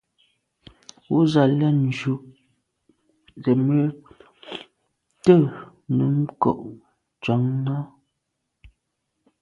Wù z’a lèn ju ze me te num nko’ tshan à.